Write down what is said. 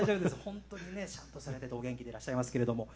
本当にねシュッとされててお元気でいらっしゃいますけれども。